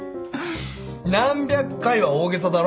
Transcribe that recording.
何百回は大げさだろ。